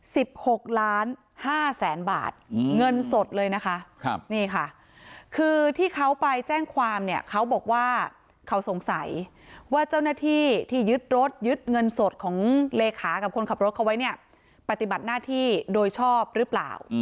หกล้านห้าแสนบาทอืมเงินสดเลยนะคะครับนี่ค่ะคือที่เขาไปแจ้งความเนี่ยเขาบอกว่าเขาสงสัยว่าเจ้าหน้าที่ที่ยึดรถยึดเงินสดของเลขากับคนขับรถเขาไว้เนี่ยปฏิบัติหน้าที่โดยชอบหรือเปล่า